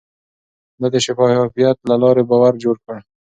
ده د شفافيت له لارې باور جوړ کړ.